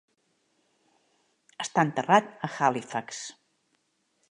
Està enterrat a Halifax.